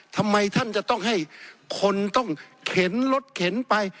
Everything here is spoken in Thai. ทำไมท่านจะต้องให้คนต้องเข็นรถเข็นไป